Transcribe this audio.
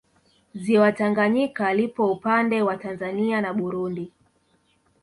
Ziwa Tanganyika lipo upande wa Tanzania na Burundi